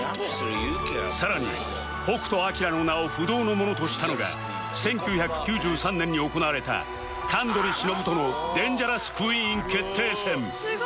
さらに北斗晶の名を不動のものとしたのが１９９３年に行われた神取忍とのデンジャラス・クイーン決定戦「すごい！」